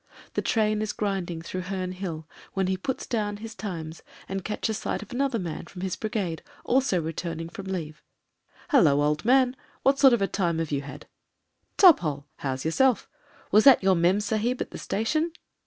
The train is grinding through Heme Hill when he puts down his Times and catches sight of another man in his brigade also return ing from leave. ^'Hullo, old man! What sort of a time have you hadr ^Top hole. How's yourself ? Was that your mem sahib at the station?"